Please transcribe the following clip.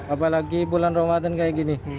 apalagi bulan ramadan kayak gini